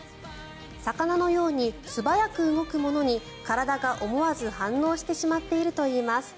魚のように素早く動くものに体が思わず反応してしまっているといいます。